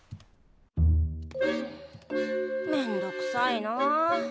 めんどくさいなあ。